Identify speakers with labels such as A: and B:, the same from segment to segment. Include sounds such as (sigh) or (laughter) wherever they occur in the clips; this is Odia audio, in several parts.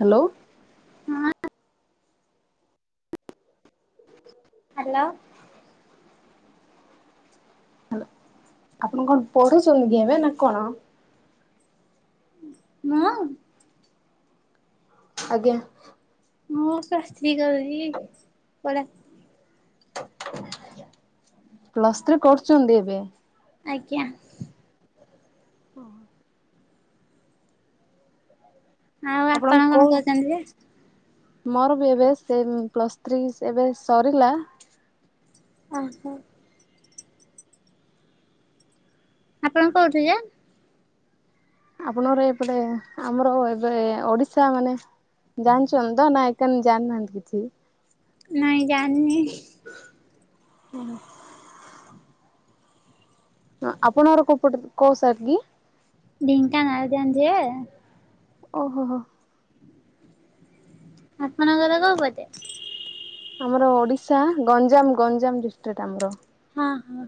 A: ହ୍ୟାଲୋ।
B: ହଁ। ହ୍ୟାଲୋ।
A: ହ୍ୟାଲୋ ଆପଣ କଣ ପଢୁଛନ୍ତି କି ଏବେ ନା କଣ?
B: ମୁଁ।
A: ଆଜ୍ଞା।
B: ମୁଁ ଶସ୍ତ୍ରୀ କରୁଛି ପଡ।
A: ହହ। ପ୍ଲସ୍ ଥ୍ରୀ କରୁଛନ୍ତି ଏବେ
B: ଆଜ୍ଞା।
A: ଓ।
B: ଆଉ ଆପଣ
A: ଆପଣଙ୍କୁ
B: କଣ
A: କଉ
B: କରୁଛନ୍ତି ଯେ?
A: ମୋର ବି ଏବେ ସେ ପ୍ଲସ୍ ଥ୍ରୀ ଏବେ ସରିଲା।
B: ଓହୋ। ଆପଣ କହୁଠୁ ଯେ?
A: ଆପଣଙ୍କର ଏପଟେ ଆମର ଏବେ ଓଡିଶା ମାନେ ଜାଣିଛନ୍ତି ତ ନାଇ କେଣ ଜାଣିନାହାନ୍ତି କିଛି?
B: ନାଁ ଜାଣିବି।
A: ହୁଁ। ଆପଣୋର କଉପ କୋସଡ କି?
B: ଢେଙ୍କାନାଳ ଜାଣିଜ?
A: ଓହୋ ହୋ।
B: ଆସମାନ ଗର କ ହତେ?
A: ଆମର ଓଡିଶା ଗଞ୍ଜାମ ଗଞ୍ଜାମ ଡିଷ୍ଟ୍ରିକ୍ଟ ଆମର।
B: ହଁ ହଁ।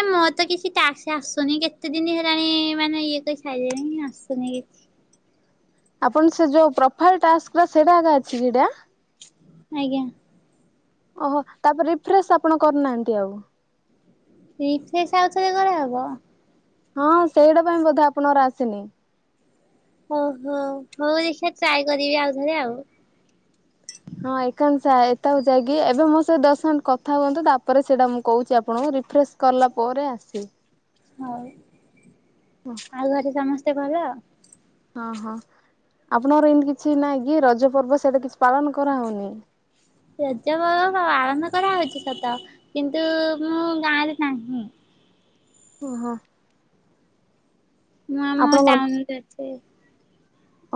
B: ଆ ମୋର ତ କିଛି ଟାସ ଆସୁନି କେତେ ଦିନ ହେଲାଣି ମାନେ ଇଏ କହି ସାରିଲାଣି ଆସୁନି।
A: ଆପଣ ସେ ଯୋଉ ପ୍ରୋଫାଇଲ ଟାସ୍ ସେଇଟାା ଅଛି ଏଟା?
B: ଆଜ୍ଞା
A: ଓହୋ ତାପରେ ରିଫ୍ରେଶ ଆପଣ କରୁନାହାନ୍ତି ଆଉ।
B: ରିଫ୍ରେଶ ଆଉ ଥରେ କେ ହବ?
A: ହଁ ସେଇଟା ପାଇଁ ବୋଧେ ଆପଣଙ୍କର ଆସିନି।
B: ଓହୋ ହଉ ଦେଖିବା ଟ୍ରାଏ କରିବି ଆଉଥରେ ଆଉ।
A: ହଁ ଏାନ ଏକୁ ଯାଇକି ଏବେ ମୋ ସେ ଦଶ ମିନିଟ କଥା ହୁଅନ୍ତୁ ତାପରେ ସେଇଟା ମୁଁ କହୁଛି ଆପଣଙ୍କୁ ରିଫ୍ରସ କଲା ପରେ ଆସେ।
B: ହଉ।
A: (unintelligible)
B: ଆଉ ଘରେ ସମସ୍ତେ ଭଲ?
A: ହଁ ହଁ ଆପଣଙ୍କର ଏମିତି କିଛି ନାଇଁ କି ରଜ ପର୍ବ ସେଇଟା କିଛି ପାଳନ କରାହଉନି?
B: ରାଜ ପର୍ବ କରାହଉଛି ସତ କିନ୍ତୁ ମୁଁ ଗାଁରେ ନାହିଁ।
A: ଓହୋ
B: ମୁଁ ଆମ
A: ଆପଣ କଣ
B: ଟାଉନ ଅଛି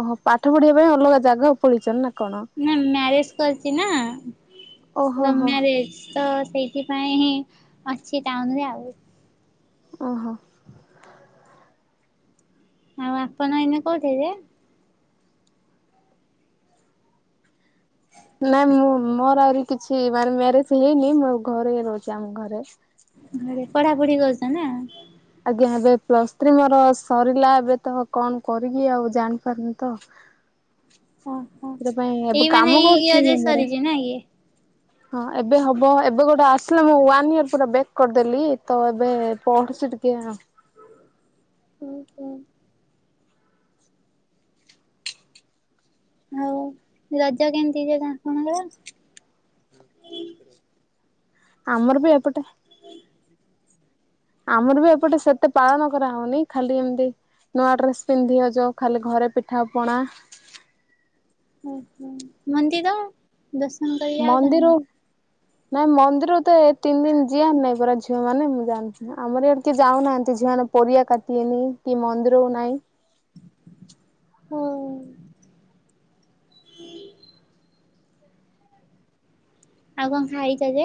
A: ଓହୋ ପାଠ ପଢିବା ପାଇଁ ଅଲଗା ଜାଗା ପଳେଇଚନ୍ ନା? କଣ?
B: ନା ମ୍ୟାରେଜ କରିଛି ନା
A: ଓହୋ
B: ଲଭ
A: ହୋ
B: ମ୍ୟାରେଜ। ତ ସେଇଥିପାଇଁ ଅଛି ଟାଉନ ରେ ଆଉ।
A: ଓହୋ
B: ଆଉ ଆପଣ ଏଇନ କୋଉଠ ଯେ?
A: ନାଇଁ ମୁଁ ମୋର ଆହୁରି କିଛି ମାନେ ମ୍ୟାରେଜ ହେଇନି ମୋ ଘରେ ଇ ରହୁଛି ଆମ ଘରେ।
B: ଘରେ ପଢାପଢି କରୁଛ ନା?
A: ଆଜ୍ଞା ଏବେ ପ୍ଲସ୍ ଥ୍ରୀ ମୋର ସରିଲା ଏବେ ତ କଣ କରିକି ଆଉ ଜାଣିପାରୁନି ତ।
B: ଓହୋ।
A: ସେ ପାଇଁାଇ ଏବେ କାମ କରୁଛି ମୁଁ ମୋର।
B: ନାଇକି
A: ହଁ ଏବେ ହବ ଏବେ ଗୋଟେ ଆସିଲା ମୁଁ ୱାନ୍ ଇୟର ପୁରା ବ୍ୟାକ୍ କରିଦେଲି ତ ଏବେ ପଢୁଛି ଟିକେ।
B: ହୁଁ ହୁଁ ହଉ ରଜ କେମିତି ଯ କଣ?
A: ୟ କର (unintelligible) ଆମର ବି ଏପଟେ ଆମର ବି ଏପଟେ ସେତେ ପାଳନ କରାହଉନି ଖାଲି ଏମିତି। ନୂଆ ଡ୍ରେସ ପିନ୍ଧି ଆଛ ଖାଲି ଘରେ ପିଠା ପଣା।
B: ଓହୋ ମନ୍ଦିର? ଦର୍ଷଣ କରିବା
A: ମନ୍ଦିର ନାଇ ମନ୍ଦିରରୁ ତ ଏ ତିନି ଦୀନ ଯିଆନ୍ତି ନାଇଁ ପରା ଝିଅ ମାନେ ମୁଁ ଜାଣି। ଆମର ଆଡେ କି ଯାଉନାହାନ୍ତି ଝିଅମାନେ ପରିବା କାଟିବେନି କି ମନ୍ଦିର ନାହିଁ।
B: ହଁ ଆଉ କଣ ଖାଇଛ ଯେ?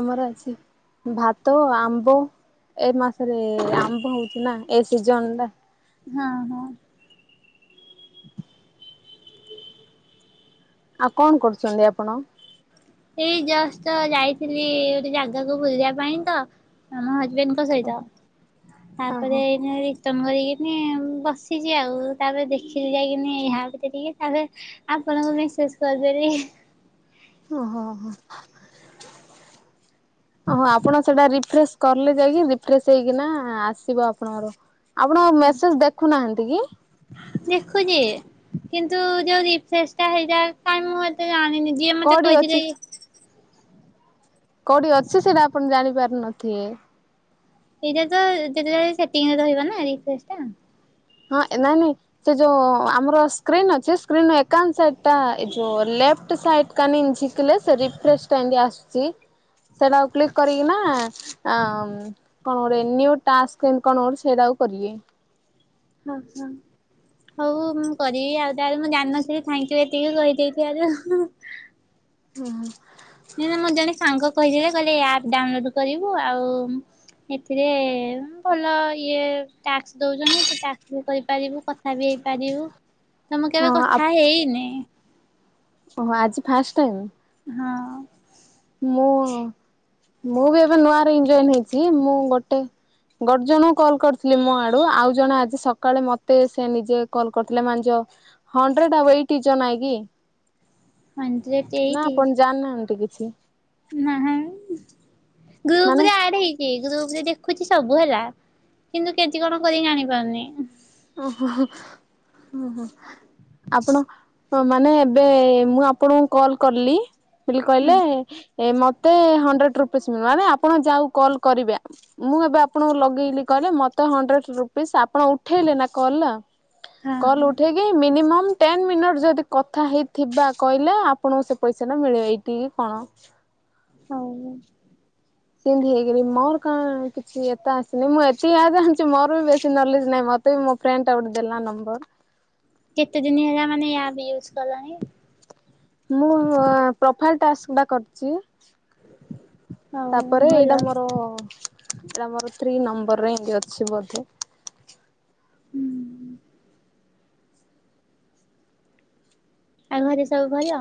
A: ଆମର ଅଛି ଭାତ ଆମ୍ବ। ଏ ମାସରେ ଆମ୍ବ ହଉଛି ନା ଏ ସିଜନ୍ ଟା
B: ହଁ ହଁ
A: ହ ଆଉ କଣ କରୁଛନ୍ତି ଆପଣ?
B: ଏଇ ଜଷ୍ଟ ତ ଯାଇଥିଲି ଗୋଟେ ଜାଗାକୁ ବୁଲିବା ପାଇଁ ତ ଆମ ହଜବେଣ୍ଡ୍ ସହିତ
A: ଓହୋ।
B: ତାପରେ (unintelligible) କରିକିନି ବସିଛି ଆଉ ତାପରେ ଦେଖିକି ଯାଇକିନି ଏହା ଭିତରେ ଟିକେ। ତାପରେ ଆପଣଙ୍କୁ ମେସେଜ କରିଦେଲି।
A: ଓହୋ ଓହୋ ଆପଣ ସେଟା ରିଫ୍ରେଶ କଲେ ଯାଇକି ରିଫ୍ରେେ ହେଇକିନା ଆସିବ ଆପଣଙ୍କର। ଆପଣ ମେସେଜ୍ ଦେଖୁନାହାନ୍ତିକି?
B: ଦେଖୁଚି କିନ୍ତୁ ଯଉଁ ରିଫ୍ରେଶଟା ହେଇଯାଏ କାଇଁ ମୁଁ ଏତେ ଜାଣିନି ଯିଏ ମତେ
A: କୋଉଠି ଅଛି?
B: କହିଥିଲେ
A: କୋଉଠି ଅଛି ସେଇଟା ଆପଣ ଜାଣିପାରୁ ନଥିବେ?
B: ଏଇଟାତ ଯେତେବେଳେ ସେଟିଙ୍ଗ୍ରେ ରହିବନା ରିଫ୍ରେଶ୍ ଟା।
A: ହଁ ନାଇଁ ନାଇଁ ସେ ଯୋଉ ଆମର ସ୍କ୍ରିନ୍ ଅଛି ସ୍କ୍ରିନ୍ ଏକାଉଣ୍ଟ୍ ସାଇଟ୍ ଟା ଏଯୋଉ ଲେପ୍ଟ ସାଇଟ୍ କାନି ଝିକିଲେସେ ରିଫ୍ରେଶ୍ ଟାଏମିତି ଆସୁଚି। ସେଇଟାକୁ କ୍ଲିକ୍ କରିକିନା ଆଁ କଣ ଗୋଟେ ନ୍ୟୁ ଟାସ୍ମ ଏଇକଣ ଗୋଟେ ସେଇଟାକୁ କରିବେ।
B: ହଁ ହଁ। ହଉ ମୁଁ କରିବି ଆଉ ତାହଲେ ମୁଁ ଜାଣିନଥିଲି ଥ୍ୟାଙ୍କିୟୁ ଏତିକି କହିଦେଇଥିବାରୁ।
A: ହୁଁ
B: ନାଇଁ ନାଇଁ ମୋର ଜଣେ ସାଙ୍ଗ କହିଥିଲେ କହିଲେ ଆପ୍ ଡାଉଲୋଡ୍ କରିବୁ ଆଉ ଏଥିରେ ଭଲ ଇଏ ଟ୍ୟାକ୍ସ ଦଉଚନ୍ତି ତୁଟ୍ୟାକ୍ସବି କରିପାରିବୁ କ କଥାବି ହେଇପାରିବ ତ ମୁ
A: ହଁ
B: କେବେ କଥା ହେଇନି।
A: ଓହୋ ଆଜି ଫାଷ୍ଟ୍ ଟାଇମ୍?
B: ହଁ।
A: ମୁଁ ମୁବି ଏବେ ନୂଆରେ ରିଙ୍ଗ ଜଏନ୍ ହେଇଚି ମୁଁ ଗୋଟେ ଗଟେ ଜଣଙ୍କୁ କଲ୍ କରିଥିଲି ମୋଆଡ଼ୁ ଆଉ ଜଣେ ଆଜି ସକାଳେ ମତେ ସେନିଜ କଲ୍ କରିଥିଲେ ମାନେ ଯୋ ହଣ୍ଡ୍ରେଟ୍ (unintelligible) ନାଇଁ କି
B: ହେଣ୍ତ୍ରେଟ୍ ଏଇଟି।
A: ଜାଣିନାହାନ୍ତି କିଛି।
B: ନାହା ଗ୍ରୁପ୍
A: ମାନେ
B: ରେ ଆଡ଼ ହେଇ କି ଗ୍ରୁପ୍ ରେ ଦେଖୁଚି ସବୁ ହେଲା କିନ୍ତୁ କେମିତି କଣ କରିବି ଜାଣିପାରୁନି।
A: ଓହୋ ଓହୋ। ଆପଣ ମାନେ ଏବେ ମୁଁ ଆପଣଙ୍କୁ କଲ୍ କଲି ବୋଲି
B: ହୁଁ
A: କହିଲେ ଏ ମତେ ହଣ୍ଡ୍ରେଡ୍ ରୁପିସ୍ ମିଳିବ ଆରେ ଆପଣ ଯାହାକୁ କଲ୍ କରିବେ। ମୁଁ ଏବେ ଆପଣଙ୍କୁ ଲଗେଇଲି କହିଲେ ମତେ ହଣ୍ଡ୍ରେଟ୍ ରୁପିସ୍ ଆପଣ ଉଠେଇଲେନା କଲ୍
B: ହଁ
A: କଲ୍
B: ହଁ
A: ଉଠେଇକି ମିନିମମ୍ ଟେନ୍ ମିନିଟ୍ ଯଦି କଥା ହେଇଥିବା କହିଲେ ଆପଣଙ୍କୁସେ ପଇସାଟା ମିଳିବ ଏଇଠି କଣ।
B: ହଉ।
A: ସିମିତି ହେଇକରି ମର କଣ କିଛି ଏତେ ଆସିନି ମୁଁ ଏତିକି ଜାଣିଛି ମୋରବି ବେଶୀ କଲେଜ୍ ନାହିଁ ମତେ ଏଇ ମୋଫ୍ରେଣ୍ଡ୍ ଟା ଗୋଟେ ଦେଲା ନମ୍ବର।
B: କେତେ ଦିନ ହେଲା ମାନେ ଏଆପ୍ ୟୁଜ୍ କଲାଣି?
A: ମୁଁ ପ୍ରୋଫାଇଲ୍ ଟାସ୍କଟା କରିଚି।
B: ହଉ
A: ତାପରେ
B: ଭଲ
A: ଏଇଟା ମର ଏଇଟା ମୋର ଥ୍ରୀ ନମ୍ବରରେ ଏମିତି ଅଛି ବୋଧେ।
B: ହୁଁ ଆଉ ଘରେ ସବୁ ଭଲ?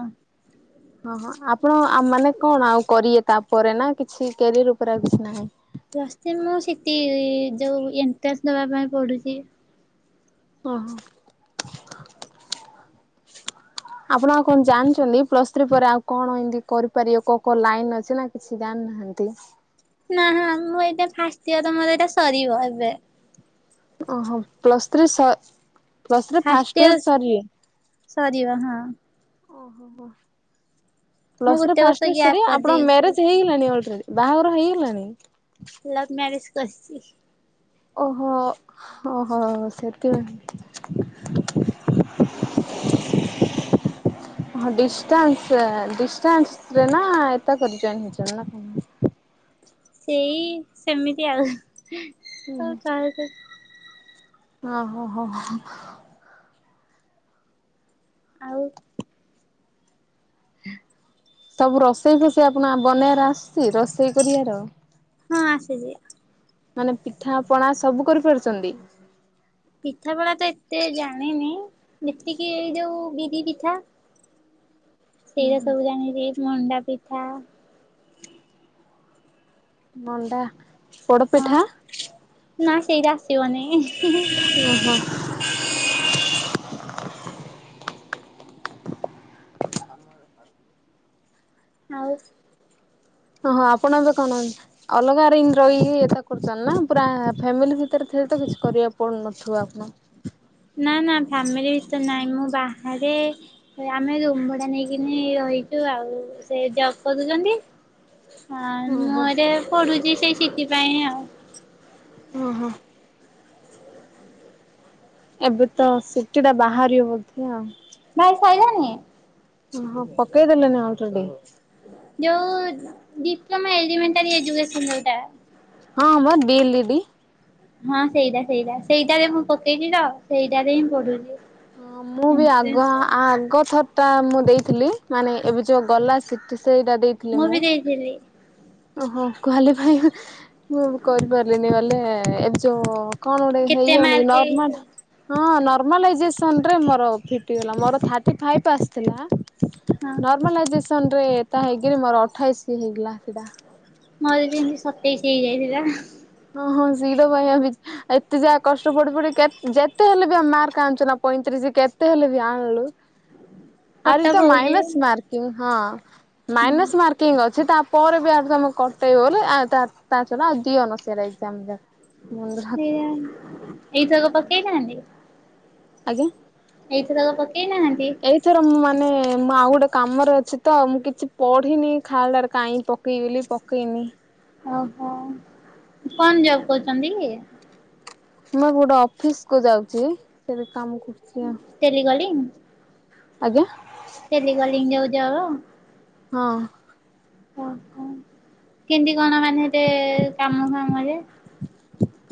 A: ହଁ ହଁ ଆପଣ ମାନେ କଣ ଆଉ କରେ ତାପରେନା କିଛି କ୍ୟାରିୟର ଉପରେ ଆଉ କିଛି ନାହିଁ?
B: ପ୍ଲସ୍ ଥ୍ରି ମୁ ସିଟି ଯୋଉ ଏଣ୍ଟ୍ରାନ୍ସ ଦେବା ପାଇଁ ପଡ଼ୁଚି।
A: ଓହୋ। ଆପଣ ଆଉ କଣ ଜାଣିଚନ୍ତି ପ୍ଲସ୍ ଥ୍ରୀ ପରେ ଆଉ କଣ ଏମିତି କରିପାରିବ କଁ କୋଉ ଲାଇନ୍ ଅଛିନା କିଛି ଜାଣି ନାଁ ଏମିତି।
B: ନାହା ମୁଁ ଏଇଟା ଫାଷ୍ଟିୟର ମୋର ଏଇଟା ସରିବ ଏବେ।
A: ଓହୋ ପ୍ଲସ୍ ଥ୍ରୀ ସ plus three
B: first
A: first year
B: year
A: ସରିଲେ।
B: ସରିବ ହଁ
A: ଓହୋ ହୋ
B: ମୁଁ
A: ପ୍ଲସ ଥ୍ରୀ
B: ଗୋଟେ ବର୍ଷ
A: ଫାର୍ଷ୍ଟୟର
B: ଗ୍ୟାପ୍
A: ସରିବ ଆପଣ
B: କରିଦେଇଛି।
A: ମ୍ୟାରେଜ ହେଇଗଲାଣି ଅଲରେଡି। ବାହାଘର ହେଇଗଲାଣି?
B: ଲଭ୍ ମ୍ୟାରେଜ୍ କରିଚି।
A: ଓହୋ ଓହୋ ସେଥି ପାଇଁ। (inaudible) ହଁ ଡିଷ୍ଟାନ୍ସ ଡିଷ୍ଟାନ୍ସ ରେ ନା ଏତା କରିଚ (unintelligible)
B: ସେଇ ସେମିତି ଆଉ ତ କାହାକୁ
A: ଓ ହୋ ହୋ ହୋ
B: ଆଉ (inaudible)
A: ସବୁ ରୋଷେଇ ଫୋଷେଇ ଆପଣ ବନେଇବାର ଆସୁଛି ରୋଷେଇ କରିବାର
B: ହଁ ଆଶିଚି।
A: ମାନେ ପିଠା ପଣା ସବୁ କରିପାରୁଛନ୍ତି।
B: ପିଠା ପଣା ତ ଏତେ ଜାଣିନି ଯେତିକି ଏଇ ଯୋଉ ବିରି ପିଠା। ସେଇଟା ସବୁ ଜାଣିଚି ମଣ୍ଡା ପିଠା
A: ମଣ୍ଡା
B: ହଁ
A: ପୋଡ଼ପିଠା
B: ନା ସେଇଟା ଆସିବନି।
A: ଓହୋ।
B: ଆଉ
A: ଓହୋ ଆପଣ ଏବେ କଣ? ଅଲଗା ରେ ଏନ୍ତି ରହିକି ଏତା କରୁଛନ୍ତି ନା ପୁରା ଫ୍ୟାମିଲି ଭିତରେ ଥିଲେ ତ କିଛି କରିବାକୁ ପଡୁନଥିବ ଆପଣ
B: ନା ନା ଫ୍ୟାମିଲି ଭିତ ରେ ନାହିଁ ମୁଁ ବାହାରେ ଆମେ ରୁମ ଭଡ଼ା ନେଇକିନି ରହିଛୁ ଆଉ ସେ ଜବ୍ କରୁଚନ୍ତି। ହଁ
A: ଓହୋ।
B: ମୋର ଏ ପଢ଼ୁଛି ସେଇ ସିଟି ପାଇଁ ଆଉ
A: ଓହୋ। ଏବେ ତ ସିଟି ଟା ବାହାରିବ ବୋଧେ ଆଉ
B: ଭାଇ ସାଇଲାନି
A: ହ ହଁ ପକେଇଦେଲେ ନା ଆଉ ଛନ୍ତି
B: ଯୋଉ ଡିପ୍ଲୋମା ଏଲିମେଣ୍ଟାରି ଏଯୁକେଶନ ଯୋଉଟା
A: ହଁ ମ ଦିଲ୍ଲୀ ବି
B: ହଁ ସେଇଟା ସେଇଟା ସେଇଟାରେ ମୁଁ ପକେଇଛି ତ ସେଇଟାରେ ହିଁ ପଢ଼ୁଛି
A: ହଁ ମୁଁ ବି ଆଗ ଆ ଆଗ ଥ ଟା ମୁଁ ଦେଇଥିଲି ମାନେ ଏବେ ଯୋଉ ଗଲା ସେଇଟା ଦେଇ
B: ମୁଁ ବି ଦେଇଥିଲି।
A: ଓହୋ କ୍ଵାଲିଫାଏ ମୁଁ କରିପାରିଲିନି ଗଲେ ଏବ ଯୋଉ କଣ ଗୋଟେ
B: କେତେ
A: ହେଇଯାଉନି
B: ମାର୍କ
A: ନର୍ମାଲ ହଁ ନର୍ମାଲ ଏଜେସନ ରେ ମୋର ଫିଟିଗଲା ମୋର ଥାଟି ଫାଇପ୍ ଆସିଥିଲା
B: ହଁ
A: ନର୍ମାଲାଇଜେସନ ରେ ତା ହେଇଗିରି ମୋର ଅଠେଇଶି ହେଇଗଲା ସିଧା
B: ମୋର ବି ଏମତି ସତେଇଶ ହେଇଯାଇଥିଲା।
A: ହଁ ହଁ (unintelligible) ଏତେ ଯା କଷ୍ଟ ପଢ଼ି ପଢ଼ି କେ ଯେତେ ହେଲେ ବି ଆମ ମାର୍କ ଆଣୁଛୁ ନା ପଇଁତିରିଶ କେତେ ହେଲେ ବି ଆଣିଲୁ ଆରେ
B: କଟଅଫ୍
A: ତ
B: ହଉଛି
A: ମାଇନସ୍ ମାର୍କ ହଁ
B: ହୁଁ
A: ମାଇନସ୍ ମାର୍କିଂ ଅଛି ତାପରେ ବି ଆ (unintelligible) (unintelligible)
B: ଏଇଥରକ ପକେଇନାହାନ୍ତି?
A: ଆଜ୍ଞା।
B: ଏଇଥରକ ପକେଇ ନାହାନ୍ତି?
A: ଏଇଥର ମୁଁ ମାନେ ମୁଁ ଆଉ ଗୋଟେ କାମରେ ଅଛି ତ ମୁଁ କିଛି ପଢ଼ିନି ଖାଳଟାରେ କାଇଁ ପ କେଇବି ବୋଲି ପକେଇନି।
B: ଓହୋ କଣ ଜବ୍ କହୁଛନ୍ତି କି?
A: ମୁଁ ଗୋଟେ ଅଫିସ୍ କୁ ଯାଉଛି ସେଠୀ କାମ କରୁଛି ଆଉ
B: ଟେଲିଗଲି
A: ଆଜ୍ଞା
B: ଟେଲି କଲିଙ୍ଗ ଯୋଉ ଜବ
A: ହଁ।
B: ଓହୋ କେମିତି କଣ ମାନେ ସେତେ କାମ କାମରେ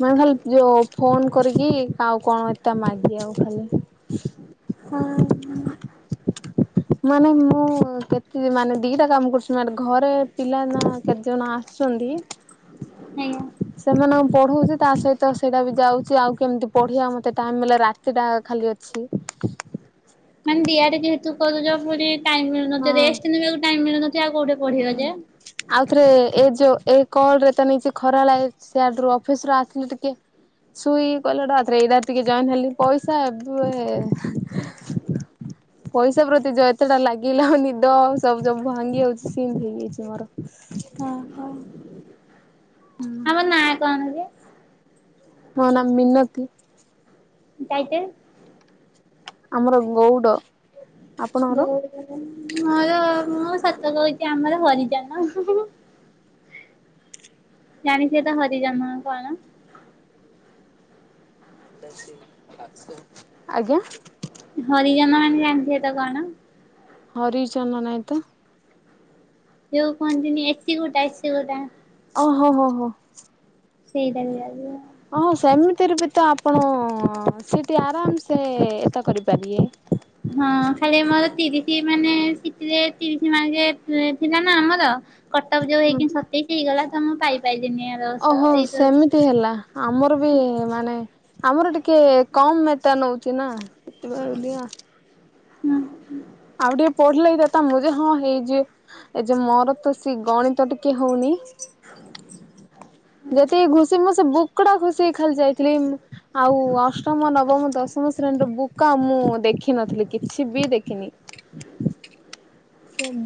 A: ମାନେ ଖାଲି ଯଉ ଫୋନ କରିକି ଆଉ କଣ ଏତା ମାଗି ଆଉ ଖାଲି।
B: ହଉ।
A: ମାନେ ମୁଁ କେତେ ମାନେ ଦିଟା କାମ କରୁଛି ମ ଘରେ ପିଲା ନା କେତେ ଜଣ ଆସୁଛନ୍ତି। ସେମାନଙ୍କ ପଢ଼ାଉଛି ତା ସହିତ ସେଇଟା ବି ଯାଉଛି ଆଉ କେମିତି ପଢ଼ିବା ମୋତେ ଟାଇମ୍ ମିଲ ରାତିଟା ଖାଲି ଅଛି।
B: ମାନେ ଦିଆ ଟେ ଯେହେତୁ ବୋଲି ଟାଇମ
A: ହଁ
B: ମିଳୁନଥିବ ରେଷ୍ଟ ନେବାକୁ ଟାଇମ ମିଳୁନଥିବ ଆଉ କୋଉଠି ପଢିବ
A: ହୁଁ
B: ଯେ
A: ଆଉଥରେ ଏ ଯୋଉ ଏ କଲ ରେ ତ ନିଜେ ଖରା ଲାଗ ସେଆଡୁ ଅଫିସ ରୁ ଆସିଲେ ଟିକେ ଶୁଇ କଇଲେଟ ଆଉଥରେ ଏଇଟାର ଟିକେ ଜଏନ୍ ହେଲି ପଇସା ଏବେ ପଇସା ପ୍ରତି ଏତେଟା ଲାଗିଲା। ନିଦ ସବୁ ସବୁ ଭାଙ୍ଗି ଯାଉଛି। ସିମ ହେଇଯାଇଛି ମୋର।
B: ଓ ହୋ ଆମ ନା କଣ ଯେ?
A: ମୋ ନା ମିନତି।
B: ଟାଇଟେଲ।
A: ଆମର ଗଉଡ। ଆପଣଙ୍କର?
B: ଗଉ ମୋର ମୁଁ ସତ କହୁଛି ଆମର ହରିଜନ। ଜାଣିଚ ତ ହରିଜନ କଣ?
A: ଆଜ୍ଞା।
B: ହରିଜନ ମାନେ ଜାଣିଚ ତ କଣ?
A: ହରିଜନ ନାଇ ତ।
B: ଯୋଉ କହନ୍ତିିନି ଏସି ଗୋଟା ଏସି ଗୋଟା।
A: ଓହୋ ହୋ ହୋ।
B: ସେଇଟା (unintelligible)
A: ହଁ ସେମିତିରେ ବି ତ ଆପଣ ସେଠି ଆରାମ ସେ ଏତା କରିପାରିବେ।
B: ହଁ ଖାଲି ମତେ ତିରିଶ ମାନେ ସିଟିରେ ତିରିଶ ମାର୍କ ଥିଲା ନା ଆମର। କଟପ ଯୋଉ
A: ହୁଁ।
B: ହେଇକି ସତେଇସି ହେଇଗଲା ତ ମୁଁ ପାଇପାରିଲିିନି ଆଉ।
A: ଓହୋ ସେମିତି। ହେଲା ଆମର ବି ମାନେ ଆମର ଟିକେ କମ୍ ମେତା ନଉଛି ନା। ସେତେପାଇ ବଲିଆ
B: ହଁ।
A: ଆଉ ଟିକେ ପଢିଲେ ଏ ଦେତା ମୁ ଯେ ହଁ ହେଇଯିବ। ଏ ଯେ ମୋର ତ ସେ ଗଣିତ ଟିକେ ହଉନି।
B: (inaudible)
A: ଯେତିକି ଘୁଷି ମୁଁ ସେ ବୁକୁଟା ଘୋଷୀକି ଖାଲି ଯାଇଥିଲି ଆଉ ଅଷ୍ଟ ଅଷ୍ଟମ ନବମ ଦଶମ ଶ୍ରେଣୀର ବୁକ୍। କାମୋ ମୁଁ ଦେଖିନଥିଲି କିଛି ବି ଦେଖିନି।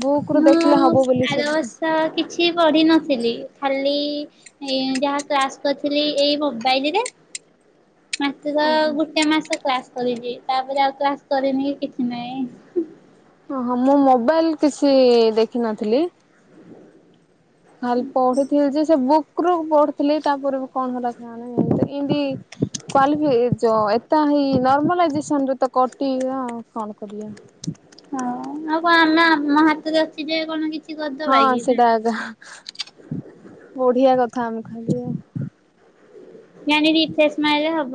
A: ବୁକ ରୁ ଦେଖିଲେ ହବ ବୋଲି ସେରିକା।
B: ତ କିଛି ପଢ଼ିନଥିଲି ଖାଲି ଏଇ ଯାହା କ୍ଲାସ କରିଥିଲି ଏଇ ମୋବାଇଲରେ। ମତେ ତ
A: ଓହୋ
B: ଗୋଟେ ମାସ କ୍ଲାସ କରିଛି ତାପରେ ଆଉ କ୍ଲାସ କରିନି କିଛି ନାହିଁ।
A: ଓ ହଁ ମୁଁ ମୋବାଇଲ କିଛି ଦେଖିନଥିଲି। ଖାଲି ପଢିଥିଲି ଯେ ସେ ବୁକରୁ ପଢୁଥିଲି ତାପରେ ବି କଣ ହେଲା କେଇଆଣି। ମାନେ କ୍ୱାଲିଫିକେସନ୍ ଯଏନ୍ତା ହେଇ ନର୍ମାଲଜାସନରେ ତ କଟିବା କଣ କରିବା।
B: ହଁ ଆଉ କଣ ଆମ ଆମ ହାତରେ ଅଛି ଯେ କଣ କିଛି
A: ହଁ
B: କରିଦବା କି
A: ସେଇଟା
B: ନା।
A: ଆଗ ବଢିଆ କଥା ଆମେ ଖାଲିିବ
B: ଜାଣିଛି ଫେସ୍ ସ୍ମାଇଲିରେ ହେବନି।